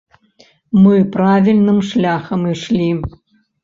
Мы правільным шляхам ішлі.